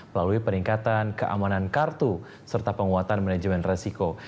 melalui peningkatan keamanan kartu serta penguatan manajemen resiko